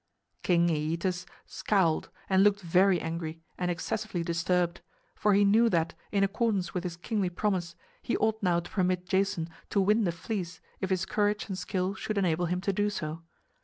King Æetes scowled and looked very angry and excessively disturbed; for he knew that, in accordance with his kingly promise, he ought now to permit Jason to win the fleece if his courage and skill should enable him to do so.